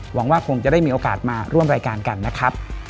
หวังว่าคงจะได้มีโอกาสมาร่วมรายการกันนะครับ